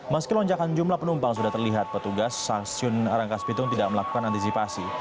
meski lonjakan jumlah penumpang sudah terlihat petugas stasiun rangkas bitung tidak melakukan antisipasi